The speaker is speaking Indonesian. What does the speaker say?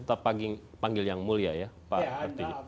saya harusnya tetap panggil yang mulia ya pak artijo